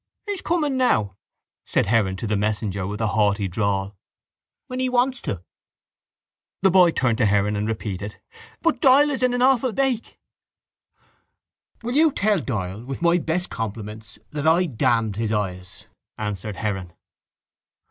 —He's coming now, said Heron to the messenger with a haughty drawl, when he wants to. The boy turned to Heron and repeated: —But Doyle is in an awful bake. —Will you tell Doyle with my best compliments that I damned his eyes? answered Heron.